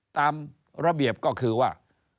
ตามระเบียบก็คือว่า